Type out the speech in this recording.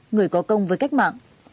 người có công với cách mạng